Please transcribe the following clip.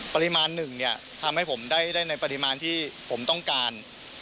ปริมาณหนึ่งเนี่ยทำให้ผมได้ในปริมาณที่ผมต้องการ